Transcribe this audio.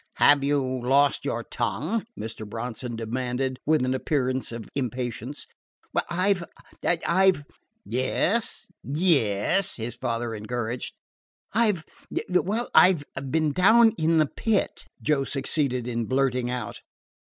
"Have you lost your tongue?" Mr. Bronson demanded with an appearance of impatience. "I 've I 've " "Yes, yes," his father encouraged. "I 've well, I 've been down in the Pit," Joe succeeded in blurting out.